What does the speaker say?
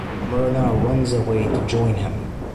Merna runs away to join him.